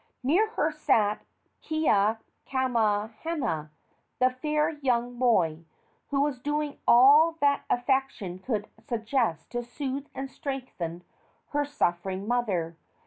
Near her sat Keakamahana, the fair young moi, who was doing all that affection could suggest to soothe and strengthen her suffering mother.